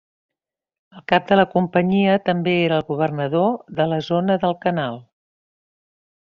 El cap de la Companyia també era el Governador de la Zona del Canal.